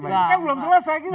kan belum selesai